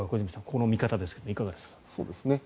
この見方ですがいかがですか。